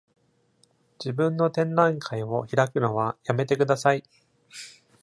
自分の展覧会を開くのはやめてください!